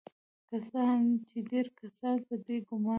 که څه هم چې ډیر کسان په دې ګمان دي